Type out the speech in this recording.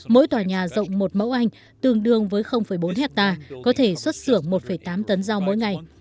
mỗi tòa nhà rộng một mẫu anh tương đương với bốn hectare có thể xuất xưởng một tám tấn rau mỗi ngày